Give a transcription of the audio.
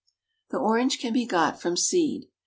The orange can be got from seed.